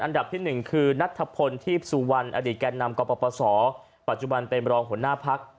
อันดับที่๑คือนัทธพลที่สู่วันอดีตแก่นำกับอุตสานประพสอบปัจจุบันเป็นบรองหัวหน้าภักร